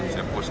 sampai ber wit